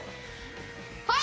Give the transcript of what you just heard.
はい！